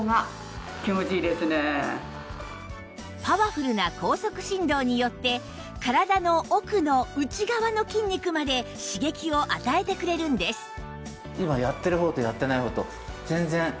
パワフルな高速振動によって体の奥の内側の筋肉まで刺激を与えてくれるんです